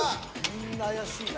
みんな怪しいな。